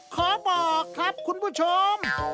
ขอบอกครับคุณผู้ชม